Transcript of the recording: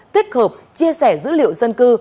tiết hợp chia sẻ dữ liệu dân cư